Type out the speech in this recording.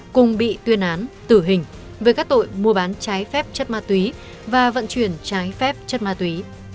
cùng bị tuyên án tử hình về các tội mua bán trái phép chất ma túy và vận chuyển trái phép chất ma túy